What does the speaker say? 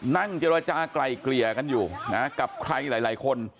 นั่งเจรจากลายเกลี่ยกันอยู่นะกับใครหลายคน